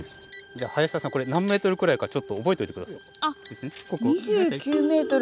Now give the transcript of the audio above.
じゃ林田さんこれ何メートルくらいか覚えといて下さい。